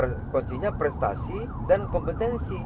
asal kita kuncinya prestasi dan kompetensi